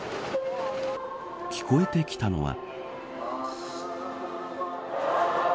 聞こえてきたのは。